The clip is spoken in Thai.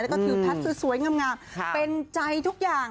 แล้วก็ถือแพทย์สวยงามเป็นใจทุกอย่าง